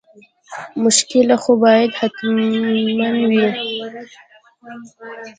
مشکله خو باید حتما وي.